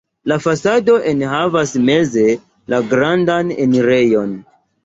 La fasado enhavas meze la grandan enirejon.